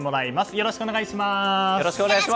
よろしくお願いします。